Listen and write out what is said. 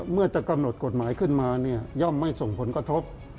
เมื่อจะกำหนดกฎหมายขึ้นมาย่อมไม่ส่งผลกระทบ